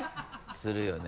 するよね。